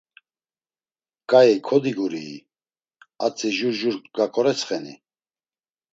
k̆ai kodigurii, atzi jur jur gak̆oretsxeni?